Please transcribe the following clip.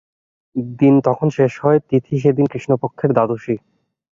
দিন তখন শেষ হয়, তিথি সেদিন কৃষ্ণপক্ষের দ্বাদশী।